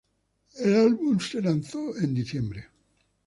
El álbum se lanzó en diciembre.